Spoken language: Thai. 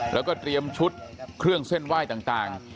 แล้วก็เตรียมชุดเครื่องเส้นไหว้ต่าง